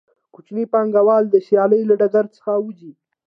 کوچني پانګوال د سیالۍ له ډګر څخه وځي